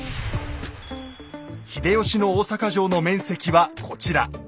秀吉の大坂城の面積はこちら。